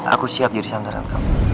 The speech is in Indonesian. aku siap jadi sandaran kamu